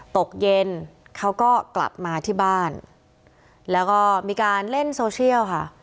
ตกเย็นเขาก็กลับมาที่บ้านแล้วก็มีการเล่นโซเชียลค่ะ